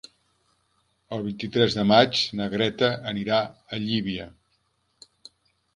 El vint-i-tres de maig na Greta anirà a Llívia.